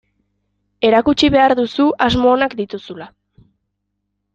Erakutsi behar duzu asmo onak dituzula.